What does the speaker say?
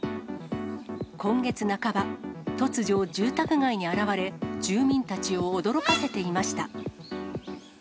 今月半ば、突如、住宅街に現れ、住民たちを驚かせていました。